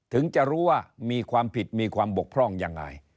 ถึงจะรู้ว่ามีความผิดมีความบกพร่องยังไง